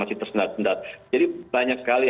masih tersendat sendat jadi banyak sekali